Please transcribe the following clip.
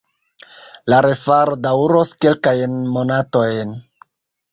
La refaro daŭros kelkajn monatojn.